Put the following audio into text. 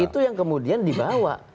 itu yang kemudian dibawa